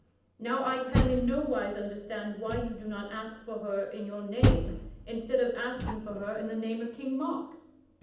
Now I can in no wise understand why you do not ask for her in your name instead of asking for her in the name of King Mark."